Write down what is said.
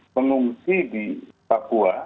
pengungsi di papua